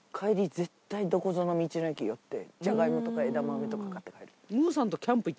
絶対どこぞの道の駅寄ってじゃがいもとか枝豆とか買って帰る。